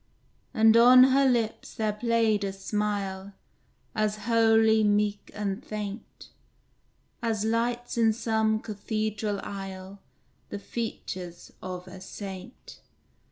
And on her lips there played a smile As holy, meek, and faint, As lights in some cathedral aisle The features of a saint.